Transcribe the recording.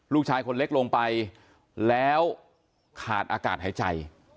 ลูกชายคนเล็กลงไปแล้วขาดอากาศหายใจ